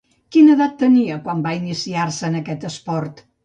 Quina edat tenia quan va iniciar-se en aquest esport?